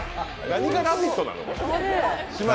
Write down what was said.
何か「ラヴィット！」なの？